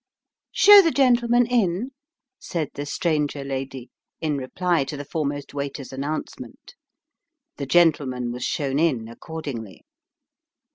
" Show the gentleman in," said the stranger lady, in reply to the foremost waiter's announcement. The gentleman was shown in accordingly.